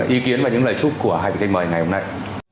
ý kiến và những lời chúc của hai vị khách mời ngày hôm nay